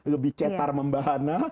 lebih cetar membahana